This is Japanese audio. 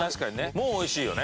もう美味しいよね。